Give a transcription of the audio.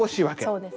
そうです。